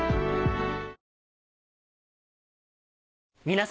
皆様。